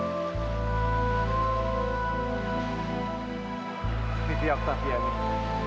nanti aku kasih tau nini